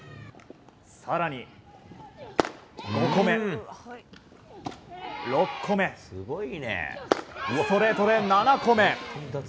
更に５個目、６個目ストレートで７個目！